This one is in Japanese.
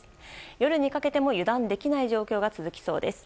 夜にかけても油断できない状況が続きそうです。